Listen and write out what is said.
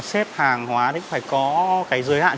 xếp hàng hóa thì phải có cái giới hạn